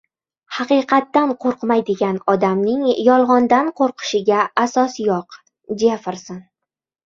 Haqiqatdan qo‘rqmaydigan odamning yolg‘ondan qo‘rqishiga asos yo‘q. Jeferson